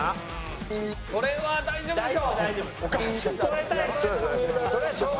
これは大丈夫でしょう。